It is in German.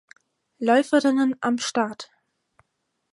Läuferinnen am Start.